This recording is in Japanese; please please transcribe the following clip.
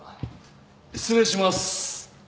失礼します。